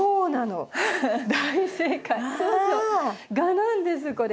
蛾なんですこれ。